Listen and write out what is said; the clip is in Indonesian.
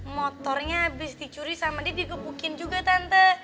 motornya habis dicuri sama dia dikepukin juga tante